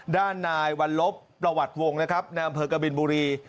ด้านนายวัลลบประวัติวงศ์นะครับในอำเภอกบินบุรี